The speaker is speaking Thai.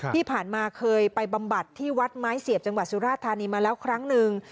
ที่ผ่านมาเคยไปบำบัดที่วัดไม้เสียบจังหวัดสุราธานีมาแล้วครั้งหนึ่ง